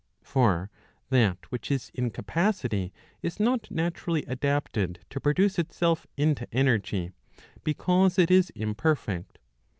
For that which is in capacity is not naturally adapted to produce itself into energy, because it is imperfect.